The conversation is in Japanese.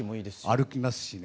歩きますしね。